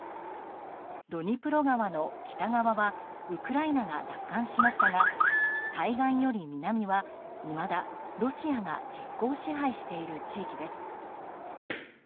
ドニプロ川の北側はウクライナが奪還しましたが対岸より南は、いまだロシアが実効支配している地域です。